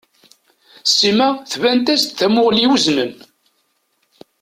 Sima tban-as-d d tamuɣli i weznen.